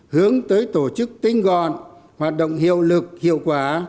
hướng tới tổ chức tinh gọn hoạt động hiệu lực hiệu quả